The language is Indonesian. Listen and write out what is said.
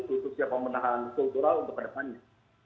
untuk siapa menahan kultural untuk ke depannya